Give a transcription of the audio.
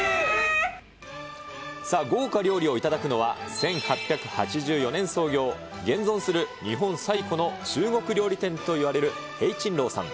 さあ、豪華料理を頂くのは、１８８４年創業、現存する日本最古の中国料理店といわれる聘珍樓さん。